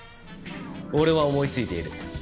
俺は思いついている。